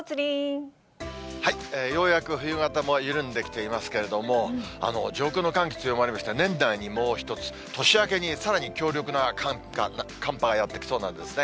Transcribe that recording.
ようやく冬型も緩んできていますけれども、上空の寒気強まりまして、年内にもう１つ、年明けにさらに強力な寒波がやって来そうなんですね。